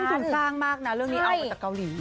ทุ่มสุดสร้างมากนะเรื่องนี้เอาแต่เกาหลี